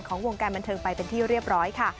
วงการบันเทิงไปเป็นที่เรียบร้อยค่ะ